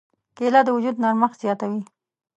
کېله د وجود نرمښت زیاتوي.